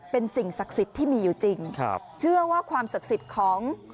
เป็นสิ่งศักดิ์สิทธิ์ที่มีอยู่จริงครับเชื่อว่าความศักดิ์สิทธิ์ของ